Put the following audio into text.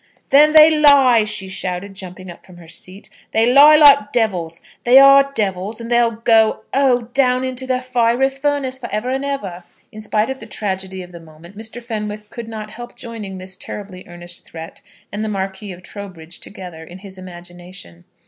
"Then they lie," she shouted, jumping up from her seat. "They lie like devils. They are devils; and they'll go, oh, down into the fiery furnace for ever and ever." In spite of the tragedy of the moment, Mr. Fenwick could not help joining this terribly earnest threat and the Marquis of Trowbridge together in his imagination.